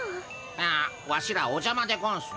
あワシらおじゃまでゴンスな。